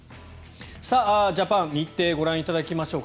ジャパン日程、ご覧いただきましょうか。